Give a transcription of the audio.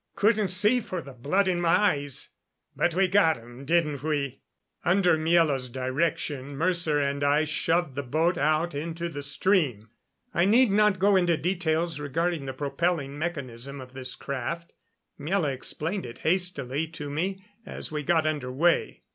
"Couldn't see for the blood in my eyes. But we got 'em, didn't we?" Under Miela's direction Mercer and I shoved the boat out into the stream. I need not go into details regarding the propelling mechanism of this craft. Miela explained it hastily to me as we got under way.